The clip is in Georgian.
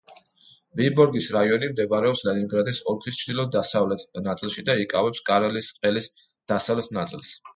ვიბორგის რაიონი მდებარეობს ლენინგრადის ოლქის ჩრდილო-დასავლეთ ნაწილში და იკავებს კარელიის ყელის დასავლეთ ნაწილს.